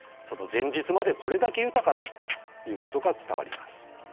その前日までこれだけ豊かだったということが伝わります。